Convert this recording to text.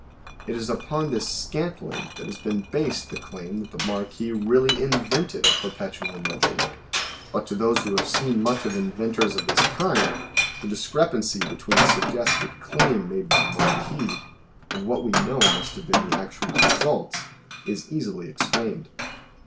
It is upon this " scantling " that has been based the claim that the Marquis really invented a perpetual motion, but to those who have seen much of inventors of this kind, the discrepancy between the suggested claim made by the Marquis and what we know must have been the actual results, is easily explained.